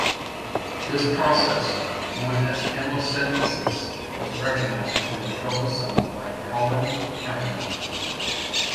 This process, known as chemosynthesis, was recognized within the trophosome by Colleen Cavanaugh.